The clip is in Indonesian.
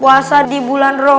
puasa di bulan ramadan